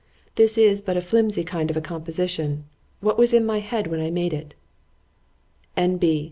—This is but a flimsy kind of a composition; what was in my head when I made it?_ ——N.B.